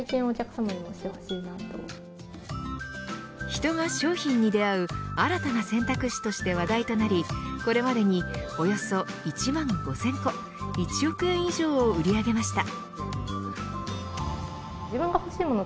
人が商品に出会う新たな選択肢として話題となりこれまでにおよそ１万５０００個１億円以上を売り上げました。